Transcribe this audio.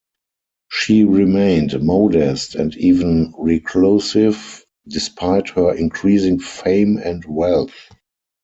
She remained modest and even reclusive despite her increasing fame and wealth.